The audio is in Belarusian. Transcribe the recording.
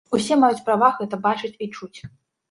Усе маюць права гэта бачыць і чуць.